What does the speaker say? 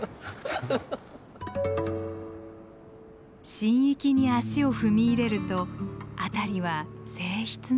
神域に足を踏み入れると辺りは静ひつな雰囲気に。